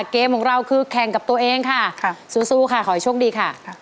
เกมของเราคือแข่งกับตัวเองค่ะสู้ค่ะขอให้โชคดีค่ะ